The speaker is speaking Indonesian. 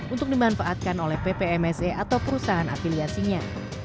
untuk dimanfaatkan oleh ppmse atau perusahaan afiliasinya